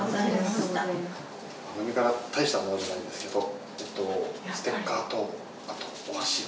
番組からたいしたものじゃないんですけどステッカーとあとお箸を。